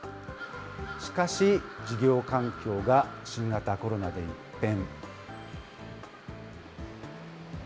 しかし、事業環境が新型コロナで一変。